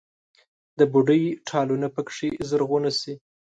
د بوډۍ ټالونه پکښې زرغونه شي